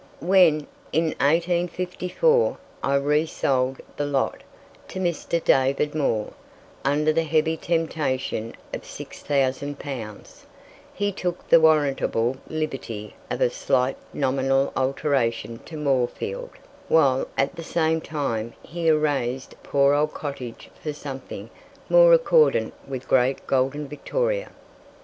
When, in 1854, I re sold "the lot" to Mr. David Moore, under the heavy temptation of 6,000 pounds, he took the warrantable liberty of a slight nominal alteration to Moorefield, while at the same time he erased the poor old cottage for something more accordant with great golden Victoria.